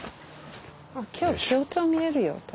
あっ今日京都見えるよ。